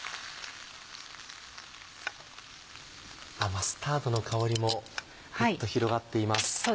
マスタードの香りもグッと広がっています。